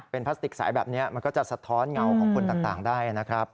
เป็นพลาสติกสายแบบนี้มันก็จะสะท้อนเงาของคนต่างได้นะครับ